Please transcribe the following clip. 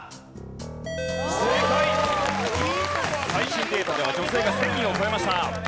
最新データでは女性が１０００人を超えました。